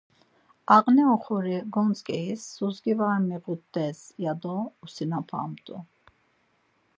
Ağne oxori gontzǩeyiz suzgi var miğut̆t̆ez ya do usinapamt̆u.